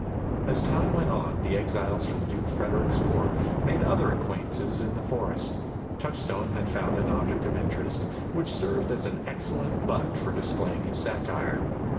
As time went on, the exiles from Duke Frederick's court made other acquaintances in the forest. Touchstone had found an object of interest, which served as an excellent butt for displaying his satire.